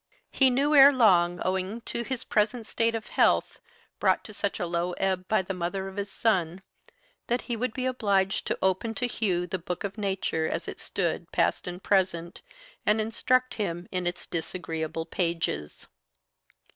He knew ere long owing to his present state of health, brought to such a low ebb by the mother of his son that he would be obliged to open to Hugh the book of nature as it stood past and present, and instruct him in its disagreeable pages.